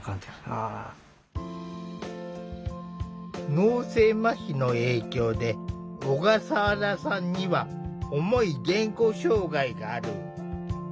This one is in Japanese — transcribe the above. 脳性まひの影響で小笠原さんには重い言語障害がある。